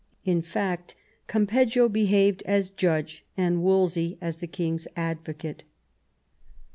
In fact, Campeggio behaved as judge, and Wolsey as the king's advocate.